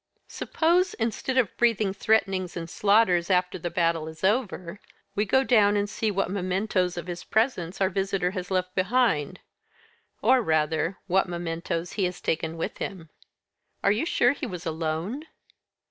Suppose, instead of breathing threatenings and slaughters 'after the battle is over,' we go down and see what mementoes of his presence our visitor has left behind or, rather, what mementoes he has taken with him." "Are you sure he was alone?"